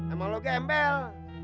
emang lu gembel